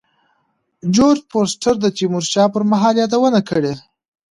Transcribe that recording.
جورج فورستر د تیمور شاه پر مهال یادونه کړې.